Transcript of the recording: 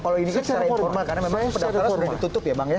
kalau ini kan secara informal karena memang pendaftaran sudah ditutup ya bang ya